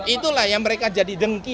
itulah yang mereka jadi dengki